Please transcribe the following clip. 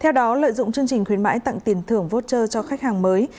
theo đó lợi dụng chương trình khuyến mãi tặng tiền thưởng voucher cho khách hàng mới